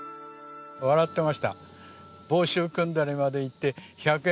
笑ってました。